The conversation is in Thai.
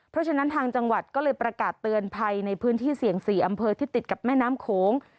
เพราะฉะนั้นทางจังหวัดก็เลยประกาศเตือนภัยในพื้นที่เสี่ยง๔อำเภอที่ติดกับแม่น้ำโขง